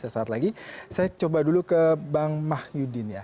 saya coba dulu ke bang mah yudin